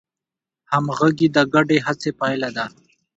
همغږي د ګډې هڅې پایله ده.